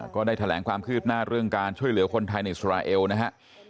ก็ได้แถลงความคืบหน้าเรื่องการช่วยเหลือคนไทยในอิสราเอลนะฮะ